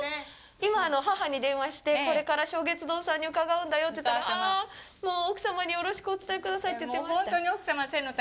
今、母に電話してこれから松月堂さんに伺うんだよって言ったら奥様によろしくお伝えくださいって言ってました。